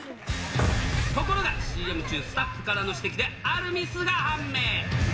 ところが、ＣＭ中、スタッフからの指摘で、あるミスが判明。